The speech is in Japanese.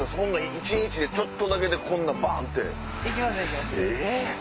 一日でちょっとだけでバン！って。